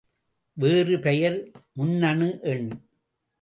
வேறு பெயர் முன்னணு எண்.